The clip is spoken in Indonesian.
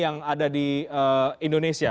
yang ada di indonesia